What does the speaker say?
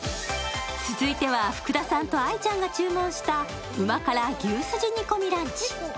続いては福田さんと愛ちゃんが注文した旨辛牛すじ煮込みランチ。